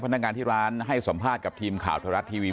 พนักงานที่ร้านให้สัมภาษณ์กับทีมข่าวไทยรัฐทีวี